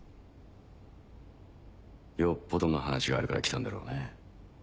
よっぽどの話があるから来たんだろうね。